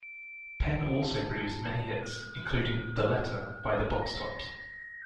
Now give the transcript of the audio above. Penn also produced many hits, including "The Letter", by the Box Tops.